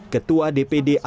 ketua dpi jakarta